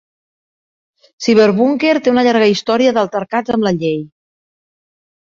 CyberBunker té una llarga història d'altercats amb la llei.